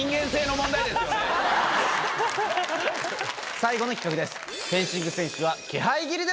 最後の企画です。